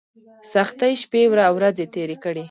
سختۍ شپې او ورځې تېرې کړې.